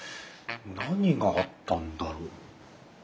何があったんだろう。